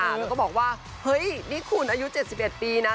แล้วก็บอกว่าเฮ้ยนี่คุณอายุ๗๑ปีนะ